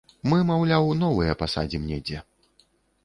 Мы, маўляў, новыя пасадзім недзе.